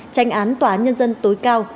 tranh án tòa nhân dân tối cao